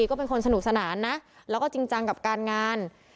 ก็เป็นคนสนุกสนานนะแล้วก็จริงจังกับการงาน